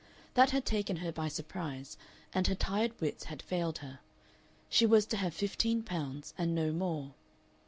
That had taken her by surprise, and her tired wits had failed her. She was to have fifteen pounds, and no more.